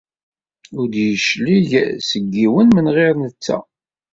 Ur d-yeclig seg yiwen menɣir netta.